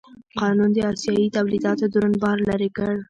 قانون د اسیايي تولیداتو دروند بار لرې کړ.